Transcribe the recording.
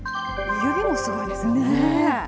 指もすごいですよね。